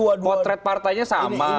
potret partainya sama